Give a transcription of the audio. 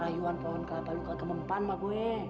raiwan pohon kagak lu gak kemen kepan mah gue